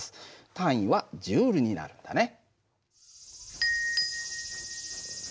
単位はＪになるんだね。